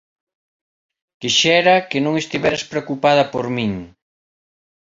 Quixera que non estiveras preocupada por min.